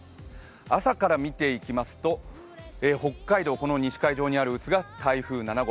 朝から見ていきますと北海道、西海上にある渦が台風７号。